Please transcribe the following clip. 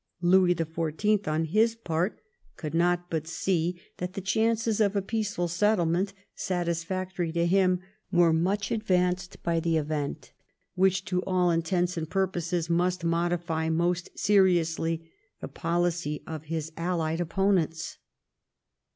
Louis the Fourteenth, on his part, could not but see that the chances of a peaceful settlement, satisfactory to him, were much advanced by the event which to all intents and purposes must modify most seriously the policy of his allied opponents.